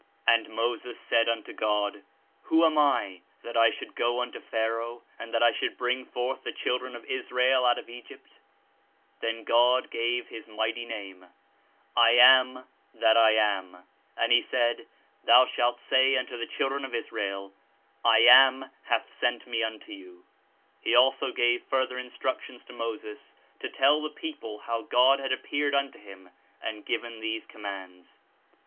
''And Moses said unto God, Who am I, that I should go unto Phar Moses' aoh, and that I should bring forth the Appoint children of Israel out of Egyptf Then "^^^^ God gave his mighty Name— ^7 AM THAT I AM: and he said, Thou shalt say unto the children of Israel, I AM hath sent me unto youJ' He also gave further Instructions to Moses to tell the people how God had appeared unto him and given these com mands.